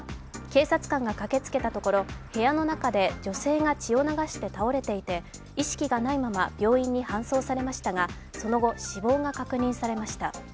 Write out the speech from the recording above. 警察官が駆けつけたところ部屋の中で女性が血を流して倒れていて意識がないまま、病院に搬送されましたが、その後、死亡が確認されました。